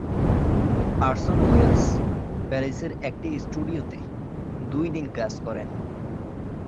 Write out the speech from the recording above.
Orson Welles প্যারিসের একটি স্টুডিওতে দুই দিন কাজ করেন।